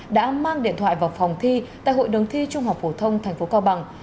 đã mang điện thoại vào phòng thi tại hội đồng thi trung học phổ thông tp cao bằng